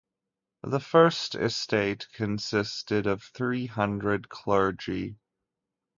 The First Estate consisted of three hundred clergy.